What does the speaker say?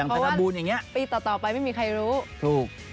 เพราะว่าปีต่อไปไม่มีใครรู้